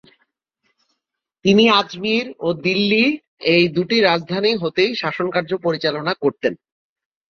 তিনি আজমির ও দিল্লী এই দুটি রাজধানী হতেই শাসনকার্য পরিচালনা করতেন।